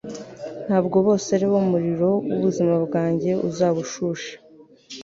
Ntabwo bose ari bo umuriro wubuzima bwanjye uzaba ushushe